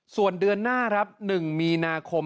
ส่วนเดือนหน้าครับ๑มีนาคม